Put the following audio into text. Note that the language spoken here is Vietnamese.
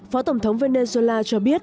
phó tổng thống venezuela cho biết